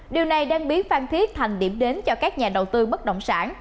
điều này đang biến phan thiết thành điểm đến cho các nhà đầu tư bất động sản